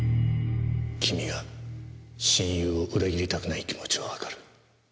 君が親友を裏切りたくない気持ちはわかる。